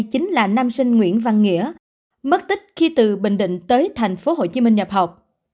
chính là nam sinh nguyễn văn nghĩa mất tích khi từ bình định tới tp hcm nhập học